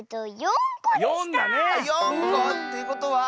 ４こ⁉ということは。